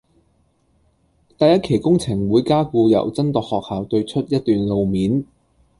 第一期工程會加固由真鐸學校對出一段路面